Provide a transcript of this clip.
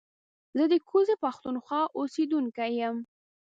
زه د کوزې پښتونخوا اوسېدونکی يم